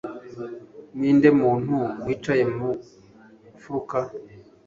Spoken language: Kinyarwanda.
Ninde muntu wicaye mu mfuruka